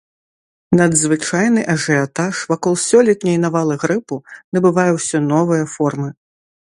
Надзвычайны ажыятаж вакол сёлетняй навалы грыпу набывае ўсё новыя формы.